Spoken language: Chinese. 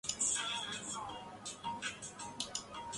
广九直通车对中国对外开放的改革历程有相当重要的意义。